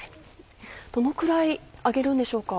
どのくらい揚げるんでしょうか？